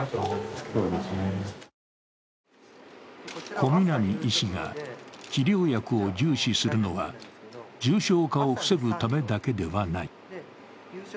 小南医師が治療薬を重視するのは重症化を防ぐためだけではない。